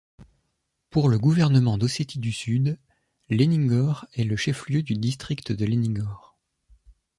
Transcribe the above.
Pour le gouvernement d'Ossétie du Sud, Leningor est le chef-lieu du district de Leningor.